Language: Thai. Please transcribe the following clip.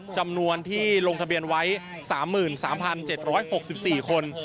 จำนวนที่ลงทะเบียนไว้๓๓๗๖๔คน